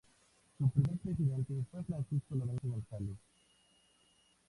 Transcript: Su primer presidente fue Francisco Lorenzo González.